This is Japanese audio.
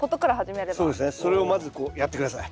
それをまずこうやって下さい。